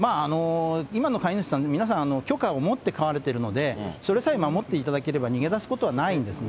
今の飼い主さん、皆さん、許可を持って飼われているので、それさえ守っていただければ、逃げ出すことはないんですね。